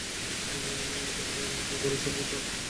তাই প্রতিবারের মতো এবারও সালমান তাঁর ভক্তদের ঈদকে পণ্ড করলেন না।